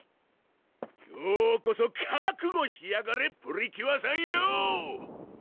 今日こそ覚悟しやがれプリキュアさんよ！